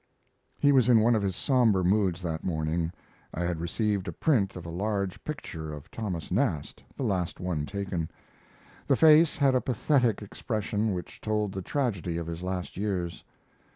He was in one of his somber moods that morning. I had received a print of a large picture of Thomas Nast the last one taken. The face had a pathetic expression which told the tragedy of his last years.